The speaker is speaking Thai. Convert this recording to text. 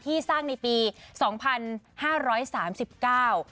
สร้างในปีสองพันห้าร้อยสามสิบเก้า